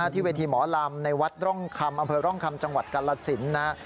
ที่เวทีหมอลำในวัดร่องคำอำเภอร่องคำจังหวัดกาลสินนะครับ